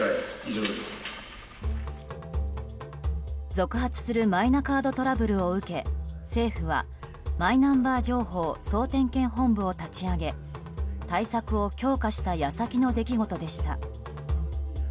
続発するマイナカードトラブルを受け政府はマイナンバー情報総点検本部を立ち上げ対策を強化した矢先の出来事でした。